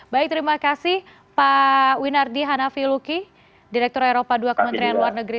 baik terima kasih pak winardi hanafi luki direktur eropa ii kementerian luar negeri